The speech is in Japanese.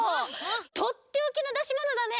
とっておきのだしものだね！